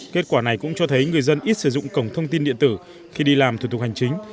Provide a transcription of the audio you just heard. kết quả này cũng cho thấy người dân ít sử dụng cổng thông tin điện tử khi đi làm thủ tục hành chính